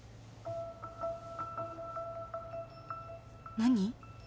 何？